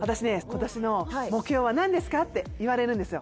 今年の目標は何ですか？って言われるんですよ